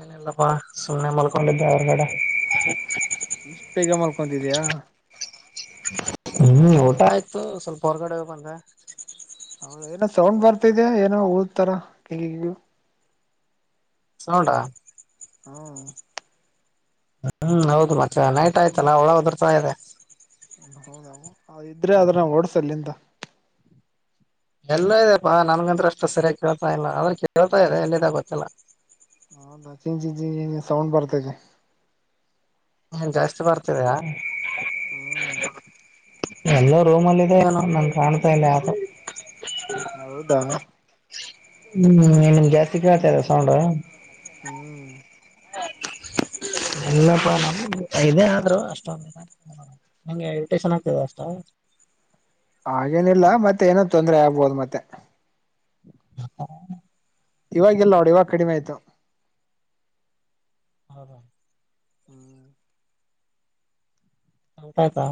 ಏನಲ್ಲಪ್ಪಾ ಸುಮ್ಮನೆ ಮಲ್ಕೊಂಡಿದ್ದೆ ಅವರ್ಗಡೆ ಇಷ್ಟು ಬೇಗ ಮಲ್ಕೊಂತಿದೀಯಾ ಹ್ಮ್ ಊಟ ಆಯ್ತು ಸ್ವಲ್ಪ ಹೊರ್ಗಡೆ ಹಂದ ಹೌದ ಏನೋ ಸೌಂಡ್ ಬರ್ತಿದೆ ಏನೋ ಉಳತಾರಗಗ [inaudible] ಹ್ಮ ಹ್ಮ್ ಹೌದು ಮತ್ತೆ ನೈಟ್ ಆಯ್ತಲ್ಲಾ ಒಳಾ ಉದರ್ತಾ ಇದೆ ಹೌದ ಇದ್ರೆ ಆದದ್ರ ಓಡ್ಸಲ್ಲಿಂದ ಎಲ್ಲ ಇದೆಪ್ಪಾ ನನ್ಗಂ ಅಷ್ಟು ಸರಿಯಾಗಿ ಕೇಳ್ತಾ ಇಲ್ಲ ಆದದ್ರೆ ಕೇಳ್ತಾ ಇದೆ ಎಲ್ಲಾಗ ಗೊತ್ತಿಲ್ಲ ಹಾಚಿ ಚಿ ಸೌಂಡ್ ಬರ್ತದೆ ಹ ಜಾಸ್ತಿ ಬರ್ತದಾ ಹಾ [inaudible] ಎಲ್ಲೋ ರೂಮ್ ಅಲ್ಲಿ ಇದೆ ಏನ ನನ್ ಕಾಣ್ತಾ ಇಲ್ಲ ಯ್ದೂ ಹೌದಾ ಹ್ಮ್ ನಿಮನ್ ಜಾಸ್ತಿ ಕೇಳ್ತಾ ಇದೆ ಸೌಂಡ್ ಹ್ಮ್ ಇಲ್ಲಪ್ಪ ನ ಇದೇ ಆದ್ರು ಅಷ್ಟೊ ಬೇಕ ಹ ನಂಗೆ ಎಡಿಟೇಷನ್ ಹಾತದೆ ಅಷ್ಟಾ ಹಾಗೇನಿಲ್ಲ ಮತ್ತೆ ಏನ ತೊಂದ್ರೆ ಆಗ್ಬೋದು ಮತ್ತೆ ಹ ಇವಾಗಿಲ್ಲ ನೋಡುಇವಾಗ ಕಡಿಮೆ ಆಯತು ಹೌದ ಹ್ಮ್ [inaudible] ಊಟಾಯ್ತಾ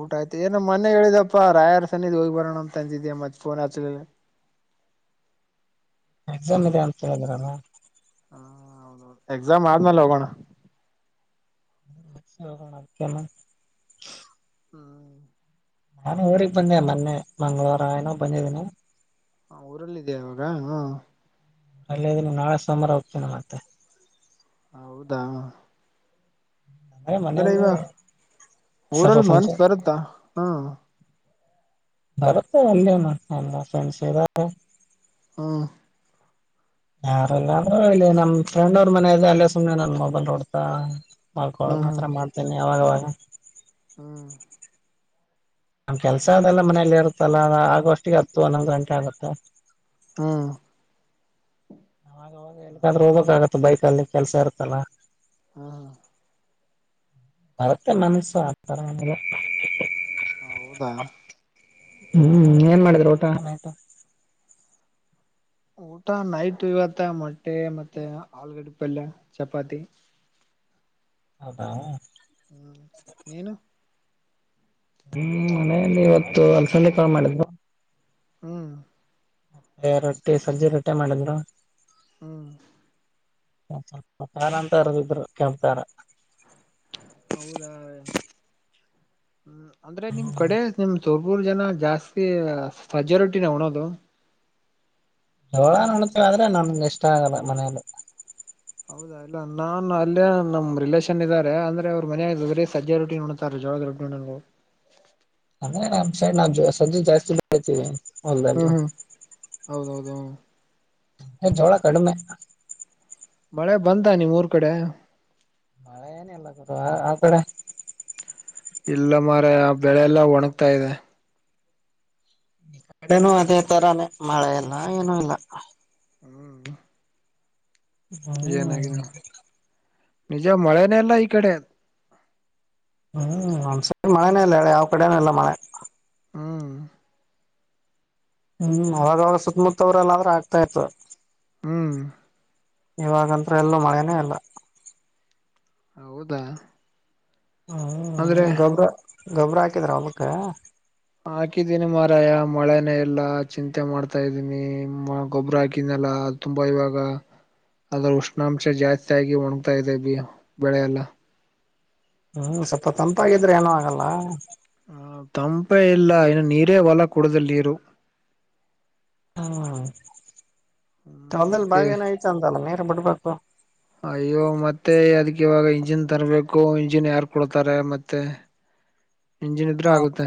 ಊಟ ಆಯ್ತು ಏನಮ್ಮ್ ಮನೆಗೆ ಹೇಳಿದಪ್ಪಾ ರಾಯರ್ ಸನಿದ್ ಹೋಗಿ ಬರೋಣ ಅಂತ ಅಂದಿದಯ ಮತ್ತ ಫೋನ್ ಹಚ ಎಕ್ಸಾಮ್ ಇದೆ ಅಂತ ಹೇಳಿದ್ರಲ್ಲ ಹ ಹೌದೌದು ಎಕ್ಸಾಮ್ ಆದ್ಮೇಲೆ ಹೋಗೋಣ ಮ್ಮ [inaudible] ಹ್ಮ್ [inaudible] ನಾನು ಊರಿಗೆ ಬಂದೆ ಮೊನ್ನೆ ಮಂಗಳವಾರ ಏನೋ ಬಂದಿದ್ದೀನಿ ಹ ಊರಲ್ಲ ಇದೆಯ ಅವವಾಗ ಹ ಅಲ್ಲೇ ನೀ ನಾಳೆ ಸೋಮಾರ ಹೋಗ್ತೀನ ಮತ್ತೆ ಹೌದಾ. ಅಂದ್ರೆ ಈವ ಸ್ವಲ್ಪ ಊರಲ್ಲಿ ಮನ್ಸ ಫಂಕ್ಷನ್ ಬರುತ್ತಾ ಹಾ. ಬರುತ್ತೆ ಒಂದೇ [unintelligible] ಫ್ರೆಂಡ್ಸ್ ಇದ. ಹ ಯಾರಲ್ಲ ಅಂದ್ರ ಇಲ್ಲಿ ನಮ್ಮ ಫ್ರೆಂಡ್ ಅವ್ರ ಮನೆ ಇದೆ ಅಲ್ಲೇ ಸುಮ್ಮ್ನೆ ನನ್ನ ಮೊಬೈಲ್ ನೋಡ್ತಾ ಹ್ಮ್ ಮಾಡ್ಕೊಳದು ಆತ್ರರ ಮಾಡ್ತೇನ ಅವಾಗವಾಗ ಹಾ ನಮ್ಮ ಕೆಲಸ ಅದೆಲ್ಲ ಮನೆಯಲ್ಲಿ ಇರುತ್ತಲ್ಲ ಅದ ಆಗೋ ಅಷ್ಟಿಗೆ ಹತ್ತು ಒನ್ನೊಂದು ಗಂಟೆ ಆಗುತ್ತ. ಹ್ಮ ನಕಂದ್ರೆ ಹೋಗಬೇಕಾಗತ್ತ ಬೈಕ್ ಅಲ್ಲಿ ಕೆಸ ಇರುತ್ತಲ್ಲಾ. ಹಾ ಮರತ್ತ ಮನಸ್ಸ ಆತರ ಹೌದಾ ಹ್ಮ ಏನ್ ಮಾಡಿದ್ರ ಊಟ ನೈಟ್. ಊಟ ನೈಟ್ ಇವತ್ತ ಮೊಟ್ಟೆ ಮತ್ತ ಆಲುಗಡ್ಡಿ ಪಲ್ಲ ಚಪಾತಿ. ಹೌದಾ. ಹ್ಮ ನೀನು ಹ್ಮ ಮನೇೆಯಲ್ಲಿ ಇವತ್ತು ಅಲ್ಸನ ಕಳ ಮಾಡಿದ್ರು. ಹ್ಮ ಏ ರೊಟ್ಟಿ ಸಜ್ಜಿ ರೊಟ್ಟ ಮಾಡಿದ್ರು. ಹ್ಮ ಪತಾರ ಅಂತ ಇರದಿದ್ರು ಕೆಂಪರ ಹೌದಾ ಹ್ಮ ಅಂದ್ರೆ ನಿಮ್ಮ ಕಡೆ ನಿಮ ಸ ಮೂರ ಜನ ಜಾಸ್ತಿ ಸಜಾರಿಟಿನ ಉಣೋದು. ಹೋಳ ನೋಡತೇವಿ ಆದ್ರೆ ನನ್ಗೆ ಇಷ್ಟ ಆಗಲ್ಲ ಮನೇಲಿ. ಹೌದಾ. ಇಲ್ಲ ನಾನ್ ಅಲ್ಲೇ ನಮ್ ರಿಲೇಷನ್ ಇದಾರೆ ಅಂದ್ರೆ ಅವ್ರ ಮನಯ ಬರೀ ಸಜ್ಜ ರೊಟ್ಟಿ ನೋಡ್ತಾರೆ ಜೋಳದ ರೊಟ್ಟಿ ನೋಡೋ ಅಂದೇ ನಮ್ ಸೈ ನಾ ಸಜ್ಯ ಜಾಸ್ತಿ ಬೆತೀವಿ. ಹ್ಮ ಹ್ಮ ಹೌದ ಹೌದು. ಎ ಜೋಳ ಕಡಮೆ ಮಳೆ ಬಂತ ನಿಮ್ಮ ಉರ ಕಡೆ. ಮಳೆ ಏನ ಇಲ್ಲ ಕ ಆ ಕಡೆ ಇಲ್ಲ ಮಾರಯ ಬೆಳೆಲ್ಲ ಒಣಗ್ತಾ ಇದೆ. ಕಡೆನ ಅದೇ ತರಾನೇ ಮಳೆ ಇಲ್ಲ ಏನು ಇಲ್ಲ. ಹ್ಮ ಹ್ಮ್ ಏನಾಗಿದೆ ನಿಜ ಮಳೆನೇ ಇಲ್ಲ ಈ ಕಡೆ. ಹ್ಮ ಒಂದ್ಸರಿ ಮಳೆನೇ ಇಲ್ಲ ಯಾವ ಕಡೆನ ಇಲ್ಲ ಮಳೆ. ಹ್ಮ ಹ್ಮ ಅವಾಗವಾ ಸುತ್ತಮುತ್ತ ಅವ್ರ ಎಲ್ಲಾದ್ರ ಆಗ್ತಾ ಇತ್ತ. ಹ್ಮ ಇವಾಗಂತ್ರ ಎಲ್ಲ ಮಳೆನೇ ಇಲ್ಲ. ಹೌದಾ. ಅಂದ್ರೆ ಹ್ಮ ಗೊಬ್ಬ್ರ ಗೊಬ್ಬ್ರ ಹಾಕಿದ್ರ ಹೊಲ್ಕ. ಹಾಕಿದೀನಿ ಮಾರಾಯ ಮಳೆನೇ ಇಲ್ಲ ಚಿಂತೆ ಮಾಡ್ತಾ ಇದ್ದೀನಿ ಗೊಬ್ಬರ ಹಾಕಿನಲ್ಲ. ತುಂಬಾ ಇವಾಗ ಅದ್ರ ಉಷ್ಣಾಂಶ ಜಾಸ್ತಿ ಆಗಿ ಒಣಗ್ತಾ ಇದೆ ಬಿ ಬೆಳೆ ಎಲ್ಲ. ಹ್ಮ್ ಸ್ವಲ್ಪ ತಂಪಾಗಿದ್ರೆ ಏನೋ ಆಗಲ್ಲ ಹ ತಂಪೆ ಇಲ್ಲ ಇನ್ನು ನೀರೇ ಹೊಲ ಕುಡುದಿಲ್ಲ ನೀರು ಹ್ಮ ಹ್ಮ್ ಕಾಲದಲ್ಲಿ ಅದಕ್ಕೆ ಬಾಗ ಏನಾಯಯ್ತ ಅಂತಲ್ಲ ನೀರು ಬಿಡ್ಬೇಕು ಅಯ್ಯೋ ಮತ್ತೆ ಅದಕ್ ಇವಾಗ ಇಂಜಿನ್ ತರ್ಬೇಕು ಇಂಜಿನ್ ಯಾರ್ ಕೊಡ್ತಾರೆ ಮತ್ತೆ ಇಂಜಿನ್ ಇದ್ರೂ ಆಗುತ್ತೆ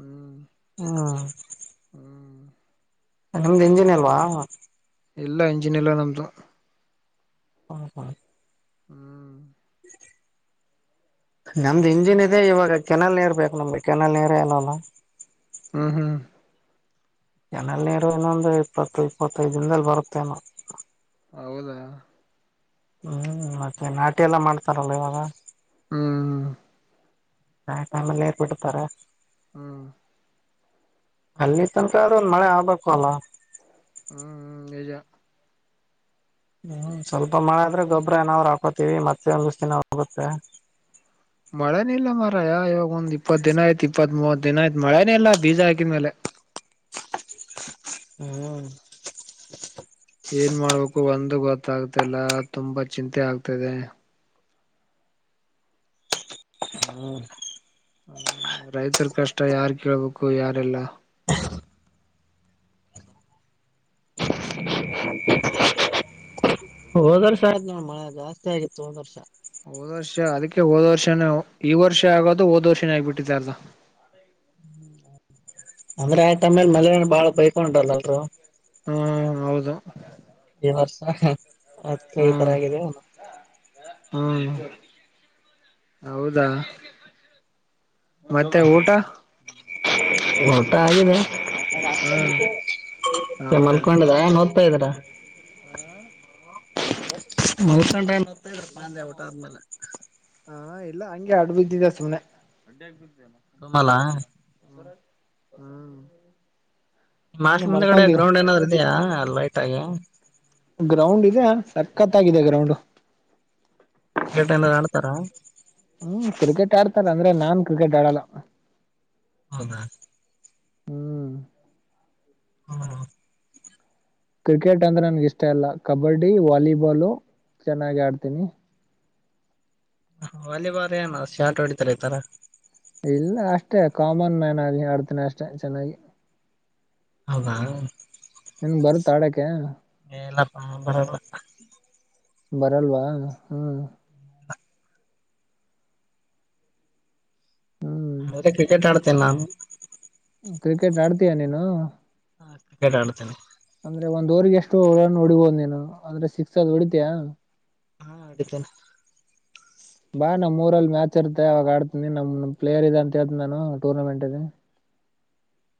ಹ್ಮ್ ಹ್ಮ ಹ್ಮ್ ನಮ್ದ್ ಇಂಜಿನ್ ಅಲ್ವಾ ಎಲ್ಲಾ ಇಂಜಿನ್ಿ ಎಲ್ಲ ನಮ್ದು ಹಾ ಹಾ ಹ್ಮ್ ನಮ್ದು ಇಂಜಿನ್ ಇದೆ ಇವಾಗ ಕೆನಾಲ್ ನೀರ್ ಬೇಕು ನಮ್ಗೆ ಕೆನಾಲ್ ನೀರ ಇನಲ್ಲ ಹ್ಮ್ ಹ್ಮ್ ಜನಲ್ ನೀರು ಇನ್ನೊಂದು ಇಪ್ಪತ್ತು ಇಪ್ಪತ್ತೈದು ದಿನದಲ್ ಬರುತ್ತೇನೋ ಹೌದಾ ಹ್ಮ್ ಮತ್ತೆ ನಾಟಿ ಎಲ್ಲ ಮಾಡ್ತಾರಲ್ಲ ಇವಾಗ ಹ್ಮ್ ಆಾ್ ಟೈಮಲ್ಲ ರ್ಪಡ್ತಾರ ಹ್ಮ ಅಲ್ಲಿ ತನಕ ಆದ್ರರು ಮಳೆ ಆಗ್ಬೇಕು ಅಲ್ಲ ಹ್ಮ್ ಹ್ಮ್ ನಿಜ ಹ್ಞೂ ಸ್ವಲ್ಪ ಮಳೆ ಆದರೆೆ ಗೊಬ್ಬರ ಏನ್ರುಾಕೋತೀವಿ ಮತ್ತೆ ಒಂದುಷ್ಟು ದಿನ ಹೋಗುತ್ತೆ ಮಳೆನ ಇಲ್ಲ ಮಾರಯ ಇವಾಗ ಒಂದ್ ಇಪ್ಪತ್ ದಿನ ಆಯ್ತ್ ಇಪ್ಪತ್ ಮೂವತ್ ದಿನ ಆಯ್ತ್ ಮಳೆನೇ ಇಲ್ಲ ಬೀಜ ಹಾಕಿದ್ಮೇಲೆ ಹ್ಮ್ ಏನ್ ಮಾಡ್ಬೇಕು ಒಂದು ಗೊತ್ತಾಗ್ತಲ್ಲ ತುಂಬಾ ಚಿಂತೆ ಆಗ್ತದೆ ಹ್ಮ ರೈತರ ಕಷ್ಟ ಯಾರ್ ಕೇಳಬೇಕು ಯಾರೆಲ್ಲ [inaudible] ಹೋದ್ ವರ್ಷ ಆಯ್ತು ನೋಡ್ ಮಳೆ ಜಾಸ್ತಿ ಆಗಿತ್ತು ಹೋದ್ ವರ್ಷ ಹೋದ್ ವರ್ಷ ಅದಕ್ಕೆ ಹೋದ ವರ್ಷನ ಈ ವರ್ಷ ಆಗೋದು ಹೋದ್ ವರ್ಷನೇ ಆಗ್ಿಬಿಟ್ಟಿದೆ ಅರ್ದ ಹ್ಮ್ [inaudible] ಅಂದ್ರೆ ಆಯ್ತಮ್ಮೇಲೆ ಮ ಬಾಳ ಬೈಕೊಂಡ್ರಲ್ಲಲ್ರು ಹ್ಮ ಹೌದು ಈ ವರ್ಷ ಅದ್ಕ್ಕೆ ಈ ತರ ಹ್ಮ್ ಆಗಿದೆ ಹ್ಮ್ ಹೌದಾ ಮತ್ತೆ ಊಟ ಊಟ ಆಗಿದೆ ಹಾ ಮಲ್ಕೊಂಡದ ನೋದ್ತಾ ಇದ್ದೀರಾ ಹಾ ಮಲ್ಕಂಡನನ್ ಹಾ ಇಲ್ಲ ಹಂಗೆ ಹಾಡ್ ಬಿದ್ದಿದೆ ಸುಮ್ಮನೆ ತುಂಬಲ ಹ ಹ್ಮ್ ಮಸ್ ನೀನು ಮುಂದೆಗಾಡೆ ಮಲ್ಕೊಂಡಿ ಗ್ರೌಂಡ್ ಏನಾದ್ರು ಇದೆಯಾ ಲೈಟ್ ಆಗಿ ಗ್ರೌಂಡ್ ಇದೆ ಸಕ್ಕತ್ ಆಗಿದೆ ಗ್ರೌಂಡ್ [unintelligible] ಆಡ್ತಾರಾ ಹ್ ಕ್ರಿಕೆಟ್ ಆಡ್ತಾರ್ ಅಂದ್ರೆ ನಾನ್ ಕ್ರಿಕೆಟ್ ಆಡಲ್ಲಾ ಹೌದಾ ಹ್ಮ್ ಹಾ ಕ್ರಿಕೆಟ್ ಅಂದ್ರೆ ನನ್ಗ ಇಷ್ಟ ಇಲ್ಲಾ ಕಬಡ್ಡಿ, ವಾಲಿಬಾಲು ಚೆನ್ನಾಗಿ ಆಡ್ತೀನಿ. ವಾಲಿಬಾಲ್ ಏನು ಶಾಟ್ ಹೊಡಿತಾರೆತಾರ ಇಲ್ಲಾ ಅಷ್ಟೇ ಕಾಮನ್ ಮ್ಯಾನ್ ಆಗಿ ಆಡ್ತನೆ ಅಷ್ಟೆ ಚೆನ್ನಾಗಿ. ಹೌದಾ ನಿನಗ ಬರುತ್ ಆಡಕೇ ಏ ಇಲ್ಲಾ [unintelligible] ಬರಲ್ಲಾ ಬರಲ್ವಾ ಹ್ ಹ್ಮ್ ಆದ್ರೆ ಕ್ರಿಕೆಟ್ ಆಡ್ತೇನಿ ನಾನು ಕ್ರಿಕೆಟ್ ಆಡ್ತೀಯಾ ನೀನು ಹಾ ಕ್ರಿಕೆಟ್ ಆಡತೀನಿ ಅಂದ್ರೆ ಒಂದ್ ಒರಿಗೆ ಎಷ್ಟು ರನ ಹೋಡಿಬಹುದು ನೀನು ಅಂದ್ರೆ ಸಿಕ್ಸ್ ಅದ್ ಹೊಡಿತಿಯಾ. [unintelligible] ಬಾ ನಮ್ಮೂರಲ್ಲಿ ಮ್ಯಾಚ್ ಇರುತ್ತೆ ಆವಾಗ ಆಡ್ತೀನಿ ನಮ್ ಪ್ಲೇರ್ ಇದೆ ಅಂತೇಹೇಳತನ ನಾನು ಟೂರ್ನಮೆಂಟ್ ಇದ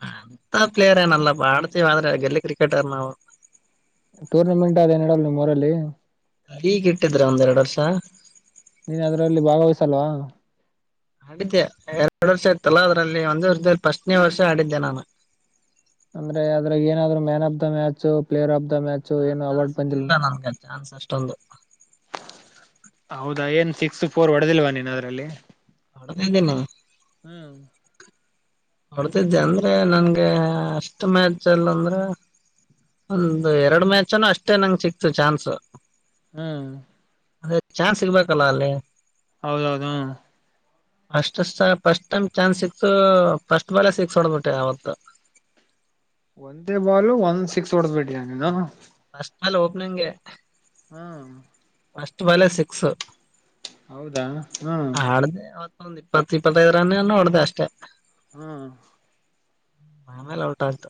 ಅಂತಾ ಪ್ಲೇಯರ್ ಏನಲ್ಲಾಪಾ ಬಾಡ್ತೀವ ಆದ್ರೆ ಗೆಲ್ಲಿ ಕ್ರಿಕೆಟರ್ ನಾವು ಟೂರ್ನಮೆಂಟ್ ಅದ ಇಡಲ್ ನಿಮ್ಮು ರಲ್ಲಿ ಈಗ ಇಟ್ಟಿದ್ರ ಒಂದ್ ಎರಡು ವರ್ಷಾ ನೀನ್ ಅದರಲ್ಲಿ ಭಾಗವಹಿಸಲ್ವಾ ಆಡಿದ್ದೆ ಎರಡ್ ವರ್ಷ ಆತ್ತಲ್ಲ ಅದ್ರಲ್ಲಿ ಒಂದ ವರ್ಷ ಪಸ್ಟನೇ ವರ್ಷ ಆಡಿದ್ದೆ ನಾನು ಅಂದ್ರೆ ಅದರಾಗ ಏನಾದ್ರು man of the match player of the match ಏನ್ ಆತರ ಅವಾರ್ಡ್ ಸಿಗ್ಲಿಲ್ಲ ಬಂದಿಲವಾ ನನ್ಗೆ ಚಾನ್ಸ್ ಅಷ್ಟ ಅವಂದು ಹೌದಾ ಏನ್ ಸಿಕ್ಸ್ ಫೋರ್ ಹೋಡಿದಿಲ್ವಾ ನೀನ್ ಅದ್ರಲ್ಲಿ ಹೋಡದ್ದಿನಿ ಹ್ ಹೊಡ್ತಿದ್ದೆ ಅಂದ್ರೆ ನನ್ಗೆ ಅಷ್ಟ ಮ್ಯಾಚ್ ನಲ್ಲಿ ಅಂದ್ರೇ ಒಂದು ಎರಡು ಮ್ಯಾಚನು ಅಷ್ಟೇ ನನಗ ಸಿಕ್ತು ಚಾನ್ಸ್ ಹ್ ಅದೇ ಚಾನ್ಸ್ ಇರ್ಬೇಕಲ್ಲಾ ಅಲ್ಲಿ ಹೌದೌದು ಅಸ್ಟ ಫಸ್ಟ್ ಟೈಮ್ ಚಾನ್ಸ್ ಸಿಕ್ತು ಫಸ್ಟ್ ಬಾಲೆ ಸಿಕ್ಸ್ ಹೊಡದಬಿಟ್ಟೆ ಅವತ್ತು. ಒಂದೇ ಬಾಲು ಒಂದ್ ಸಿಕ್ಸ್ ಹೊಡದ್ಬೇಟ್ರಿ ನೀನು. ಫಸ್ಟ್ ಬಾಲ್ ಓಪನಿಂಗೇ ಹಾ ಫಸ್ಟ್ ಬಾಲೆ ಸಿಕ್ಸ್ ಹೌದಾ ಹ್ಮ್ ಆಡ್ದೇ ಅ ಒಂದ್ ಇಪ್ಪತ್ತು ಇಪ್ಪತ್ತೈದ ರನ್ ಎನೋ ಹೋಡ್ದೆ ಅಷ್ಟೇ. ಹಾ ಆಮೇಲೆ ಔಟ ಆಯ್ತು.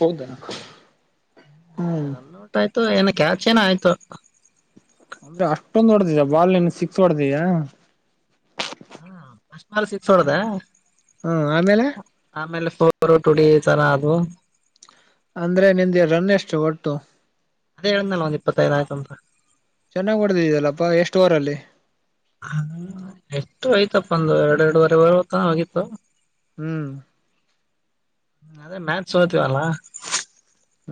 ಹೌದಣ ಹುಂ ರನ್ ಔಟ್ ಆಯ್ತು ಏನ ಕ್ಯಾಚ ಏನೋ ಆಯ್ತು. ಅಂದ್ರೆ ಅಷ್ಟೊಂದು ಹೊಡೆದಿದಾ ಬಾಲ್ ಸಿಕ್ಸ್ ಹೊಡದಿಯಾ. ಹಾ ಫಸ್ಟ್ ಬಾಲ್ ಸಿಕ್ಸ್ ಹೊಡದೆ ಹ್ಮ ಆಮೇಲೆ ಆಮೇಲೆ ಪೊರ್ ಪರೋಟ [unintelligible] ಅದು. ಅಂದ್ರೆ ನಿಂದು ರನ್ ಎಷ್ಟು ಒಟ್ಟು. ಅದೇ ಹೇಳ್ದನಲ್ಲ ಒಂದು ಇಪ್ಪತ್ತೈದು ಆಯ್ತು ಅಂತ. ಚೆನ್ನಾಗ್ ಹೊಡಿಧೀದಲ್ಲಪ್ಪಾ ಎಷ್ಟು ಓವರ್ ಅಲ್ಲಿ. ಹ ಎಷ್ಟು ಆಯ್ತಪ್ಪ ಅಂದು ಎರಡೆ ಎರಡುವರೆ ಬರುವತ್ತ ಹೋಗಿತ್ತು. ಹ್ಮ್. ಅದೇ ಮ್ಯಾಚ್ ಸೋ ತೀವಲ್ಲ.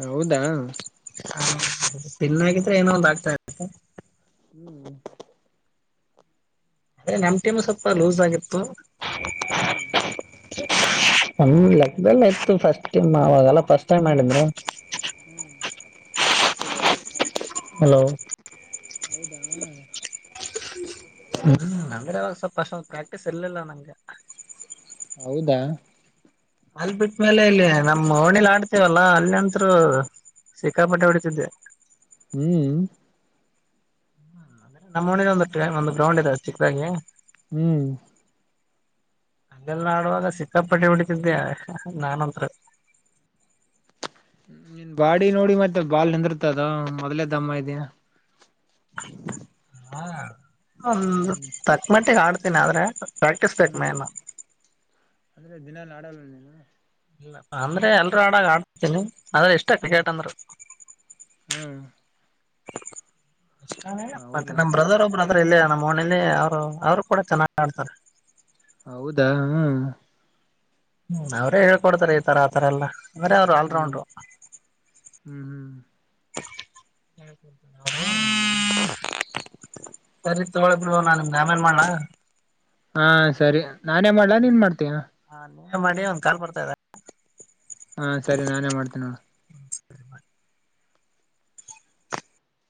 ಹೌದಾ. ಹ ತಿ ನ್ನಾಗಿದ್ರೆ ಏನೋ ಒಂದ ಆಗ್ತಾರೇ. ಹ. ಹ್ಮ್. ಅ ನಮ್ ಟೈಮ್ ಸ್ವಲ್ಪ ಲೂಸ್ ಆಗಿತ್ತು. ಹ್ಮ್. ನಮ್ಮ್ ಲೆಕ್ದಲ್ಲೇ ಇತ್ತು ಫಸ್ಟ್ ನಾವಾಗಲ್ಲ ಫಸ್ಟ್ ಟೈಮ್ ಮಾಡಿದ್ರೆ. ಹ್ಮ್. [inaudible] ಹಲೋ. ಹೌದಾ. ಹ್ಮ್ ನಂದ್ರೆ ಅವಾಗ ಸ್ವಲ್ಪ ಅಸ್ಟೊಂದು ಪ್ರಾಕ್ಟಿ ಸ್ ಇರ್ಲಿಲ್ಲ ನಂಗೆ. ಹೌದಾ. ಅಲ್ಲಿ ಬಿಟ್ಟ್ಮೇಲೆ ಇಲ್ಲಿ ನಮ್ಮ್ ಹೋಣಿಲಿ ಆಡ್ತೇವಲ್ಲಾ ಅಲ್ಲಿಂತರು ಸಿಕ್ಕಾಪಟೆ ಹೊಡಿತಿದ್ದೆ. ಹ್ಮ್. ನಮ್ಮ್ನ ಒಣಗ ಒಂದು ಗ್ರೌಂಡ್ ಇದೆ ಚಿಕ್ಕದಾಗಿ. ಹ್ಮ್. ಅಲ್ಲೆಲ್ಲ ಆಡುವಾಗ ಸಿಕ್ಕಾಪಟ್ಟ ಹೊ ಡಿತಿದ್ದೆ ನಾನಂತ. ನಿನ್ ಬಾಡಿ ನೋಡಿ ಮತ್ತೆ ಬಾಲ್ ನಿಂದಿರ್ತದ ಮೊದ್ಲೇ ದಮ್ಮ ಇದೀಯಾ. [inaudible] ಒ ಹ್ಮ್ ತಕ್ಮಟ್ಟಿಗೆ ಆಡ್ತೀನಿ ಆದ್ರೆ ಪ್ರಾಕ್ಟಿಸ್ ಬೇಕ್ ಹ್ಮ್ ಮೇನ್. ಅಂದ್ರೆ ದಿನಲಿ ಆಡಲ್ಲ ನೀನು. ಇಲ್ಲ ಅಂದ್ರೆ ಎಲ್ರೂ ಆಡ ಆಡ್ತೀ ಆದ್ರೆ. ಇಷ್ಟ ಕ್ರಿಕೆಟ್ ಅಂದ್ರೆ. ಹ್ಮ್ ಮತ್ತೆ ಹೌದಾ ನಮ್ಮ್ ಬ್ರದರ್ ಒಬ್ಬ್ರದರ್ ಇಲ್ಲೇ ನಮ್ಮ್ ಓನಲ್ಲೇ ಅವರು ಕೂಡ ಚೆನ್ನಾಗ್ ಆಡ್ತಾರೆ. ಹೌದಾ ಹ್ಮ. ಹ್ಮ್ ಅವರೇ ಹೇಳ್ಕೊಡ್ತಾರೆ ಈ ತರ ಆತರ ಎಲ್ಲ ಅಂದ್ರೆ ಅವ್ರು ಹ್ಮ್ ಆಲ್ರೌಂಡರು. ಹ್ಮ್ ಹ್ಮ್ [unintelligible] ಹೌದ. ಸರಿ ತಗಳ ಬಿಡ್ವ ನ ನಿಮ್ ಗೆ ಆಮೇಲೆ ಮಾಡ್ಲಾ. ಹಾ ಸರಿ ನಾನೇ ಮಾಡ್ಲಾ ನೀನ್ ಮಾಡ್ತೀಯ. ಹಾ ನೀನ್ ಮಾಡಿ ಒಂದ್ ಕಾಲ್ ಬರ್ತ ಇದೇ. ಹಾ ಸರಿ ನಾನೇ ಮಾಡ್ತೀನ ನೋಡ.